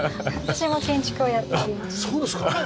あっそうですか！